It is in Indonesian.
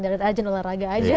dari rajin olahraga aja